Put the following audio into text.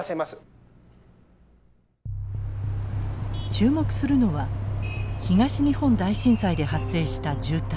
注目するのは東日本大震災で発生した渋滞。